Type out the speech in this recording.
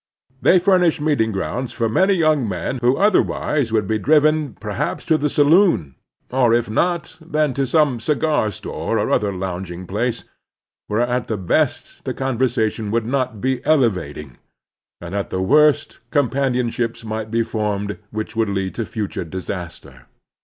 They furnish meeting grotmds for many yotmg men who otherwise would be driven, perhaps to the saloon, or if not, then to some cigar store or other lotmging place, where at the best the conversation would not be ele vating, and at the worst companionships might be formed which would lead to futtu e disaster.